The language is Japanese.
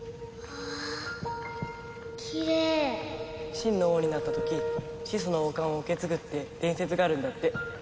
真の王になった時始祖の王冠を受け継ぐって伝説があるんだって。